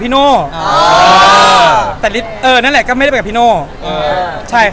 พี่เห็นไอ้เทรดเลิศเราทำไมวะไม่ลืมแล้ว